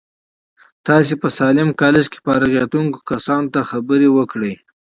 تاسې په ساليم کالج کې فارغېدونکو کسانو ته خبرې وکړې.